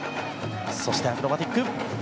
そしてアクロバティック。